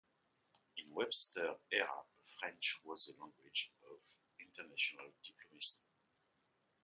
In Webster's era, French was the language of international diplomacy.